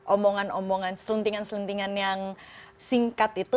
omongan omongan seluntingan seluntingan yang singkat itu